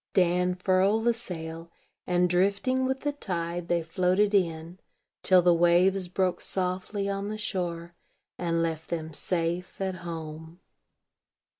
Dan furled the sail; and, drifting with the tide, they floated in, till the waves broke softly on the shore, and left them safe at home.